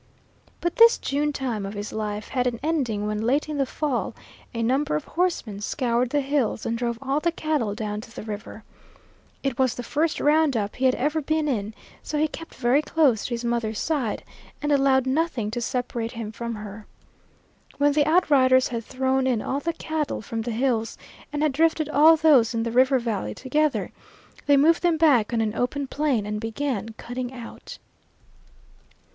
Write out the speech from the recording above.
But this June time of his life had an ending when late in the fall a number of horsemen scoured the hills and drove all the cattle down to the river. It was the first round up he had ever been in, so he kept very close to his mother's side, and allowed nothing to separate him from her. When the outriders had thrown in all the cattle from the hills and had drifted all those in the river valley together, they moved them back on an open plain and began cutting out.